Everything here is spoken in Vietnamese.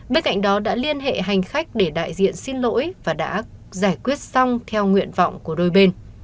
bên cạnh đó đã liên hệ hành khách để đại diện xin lỗi và đã giải quyết xong theo nguyện vọng của đôi bên